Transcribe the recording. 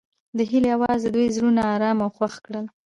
د هیلې اواز د دوی زړونه ارامه او خوښ کړل.